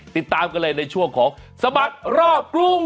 ติดตามกันเลยในช่วงของสบัดรอบกรุง